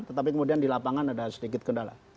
tetapi kemudian di lapangan ada sedikit kendala